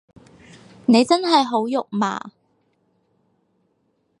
你真係好肉麻